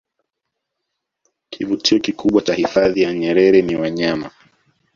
kivutio kikubwa cha hifadhi ya nyerer ni wanyama